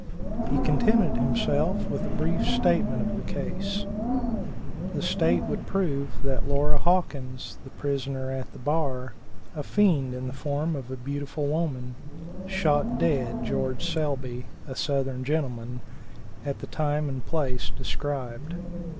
He contented himself with a brief statement of the case. The state would prove that Laura Hawkins, the prisoner at the bar, a fiend in the form of a beautiful woman, shot dead George Selby, a Southern gentleman, at the time and place described.